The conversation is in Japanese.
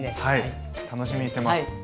はい楽しみにしてます。